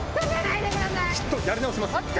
・きっとやり直せます。